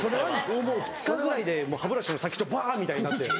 もう２日ぐらいで歯ブラシの先っちょバンみたいになって。